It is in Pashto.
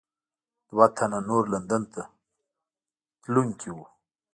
دوه تنه نور لندن ته تګونکي وو.